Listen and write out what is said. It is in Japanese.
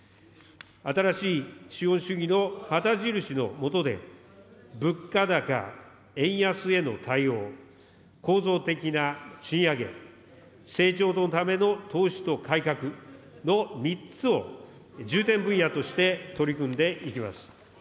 新しい資本主義の旗印の下で、物価高・円安への対応、構造的な賃上げ、成長のための投資と改革の３つを、重点分野として取り組んでいきます。